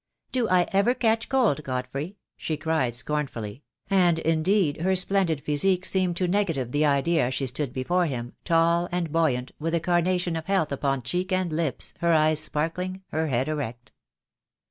"Do I ever catch cold, Godfrey?" she cried, scorn fully; and indeed her splendid physique seemed to negative the idea as she stood before him, tall and buoyant, with the carnation of health upon cheek and lips, her eyes sparkling, her head erect.